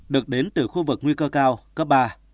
được đến từ khu vực nguy cơ cao cấp ba